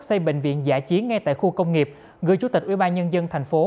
xây bệnh viện giải chiến ngay tại khu công nghiệp gửi chủ tịch ubnd thành phố